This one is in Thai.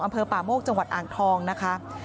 อำเภอป่าโมกจังหวัดอ่างทองนะคะ